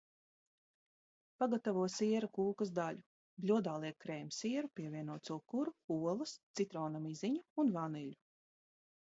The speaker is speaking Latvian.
Pagatavo siera kūkas daļu – bļodā liek krēmsieru, pievieno cukuru, olas, citrona miziņu un vaniļu.